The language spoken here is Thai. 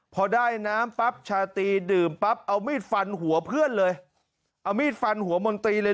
พอได้น้ำปั๊บชาตรีดื่มปั๊บเอามีดฟันหัวเพื่อนเลยเอามีดฟันหัวมนตรีเลย